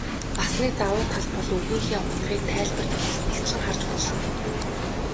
Бас нэг давуу тал бол үгийнхээ утгыг тайлбар толиос нягтлан харж болно.